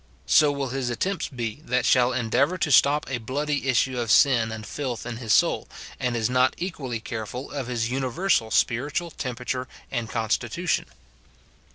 So will his attempts be that shall endeavour to stop a bloody issue of sin and filth in his soul, and is not equally careful of his universal spiritual temperature and constitution.